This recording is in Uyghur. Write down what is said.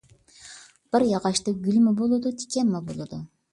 بىر ياغاچتا گۈلمۇ بولىدۇ، تىكەنمۇ بولىدۇ.